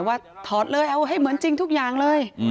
ถอดเลยเอาให้เหมือนจริงทุกอย่างเลย